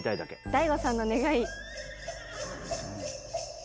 大悟さんの願い。